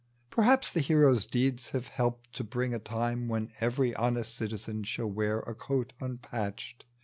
Perhaps the hero's deeds have helped to bring A time when every honest citizen Shall wear a coat unpatehed.